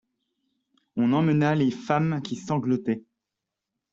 On emmena les femmes qui sanglotaient.